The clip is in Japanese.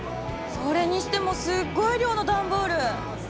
それにしてもすっごい量のダンボール。